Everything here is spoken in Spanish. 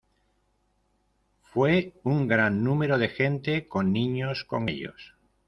Fue un gran número de gente, con niños con ellos.